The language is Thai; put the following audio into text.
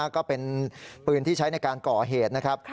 ก็เป็นปืนที่ใช้ในการก่อเหตุนะครับ